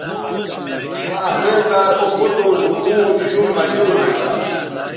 آخر کار او بوٹوں نو گھؤں شُم مشہور ھوینگا